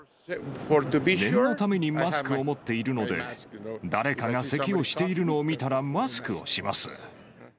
念のためにマスクを持っているので、誰かがせきをしているのを見たら、マスクをします。